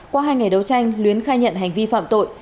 qua hai ngày đấu tranh luyến khai nhận hành vi phạm tội